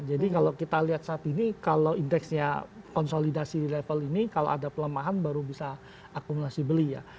jadi kalau kita lihat saat ini kalau indeksnya konsolidasi level ini kalau ada pelemahan baru bisa akumulasi beli ya